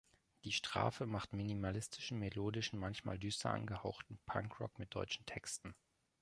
Die Strafe macht minimalistischen, melodischen, manchmal düster angehauchten Punkrock mit deutschen Texten.